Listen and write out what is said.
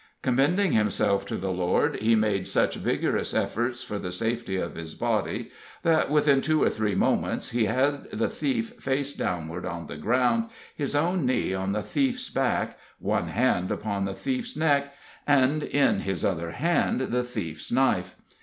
Commending himself to the Lord, he made such vigorous efforts for the safety of his body that, within two or three moments, he had the thief face downward on the ground, his own knee on the thief's back, one hand upon the thief's neck, and in his other hand the thief's knife.